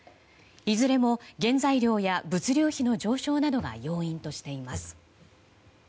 いずれも原材料や物流費の上昇などが要因としています。